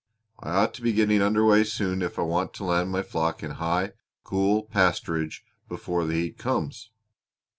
I ought to be getting under way soon if I want to land my flock in high, cool pasturage before the heat comes."